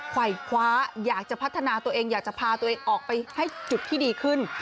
ไหวคว้าอยากจะพัฒนาตัวเองอยากจะพาตัวเองออกไปให้จุดที่ดีขึ้น